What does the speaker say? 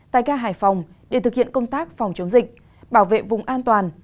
tại ca hải phòng để thực hiện công tác phòng chống dịch bảo vệ vùng an toàn